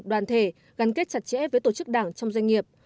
đoàn thể gắn kết chặt chẽ với tổ chức đảng trong doanh nghiệp